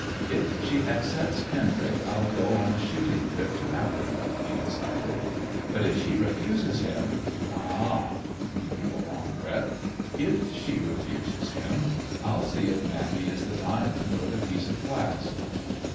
" If she accepts Kendrick, I'll go on a shooting trip to Africa," he decided ;" but if she refuses him — ah !"— he drew a long breath —" if she refuses him, I'll see if Matty is the diamond or the piece of glass."